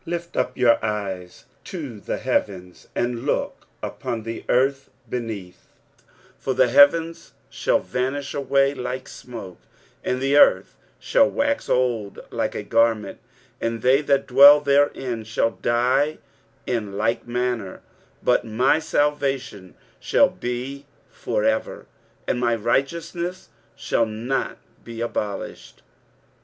23:051:006 Lift up your eyes to the heavens, and look upon the earth beneath: for the heavens shall vanish away like smoke, and the earth shall wax old like a garment, and they that dwell therein shall die in like manner: but my salvation shall be for ever, and my righteousness shall not be abolished.